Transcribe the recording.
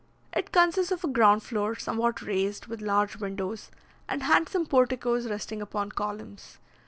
It consists of a ground floor, somewhat raised, with large windows, and handsome porticoes resting upon columns.